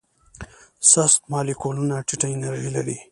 سست مالیکولونه ټیټه انرژي لري.